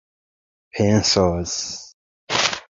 pensos